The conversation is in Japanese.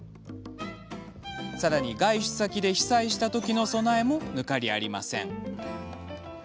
さらに、外出先で被災した時の備えも、ぬかりありません。